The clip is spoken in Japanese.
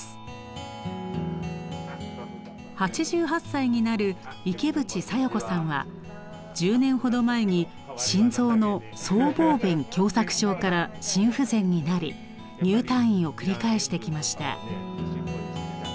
８８歳になる池淵小夜子さんは１０年ほど前に心臓の僧帽弁狭窄症から心不全になり入退院を繰り返してきました。